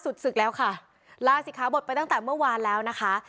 ศึกศึกแล้วค่ะลาศิขาบทไปตั้งแต่เมื่อวานแล้วนะคะ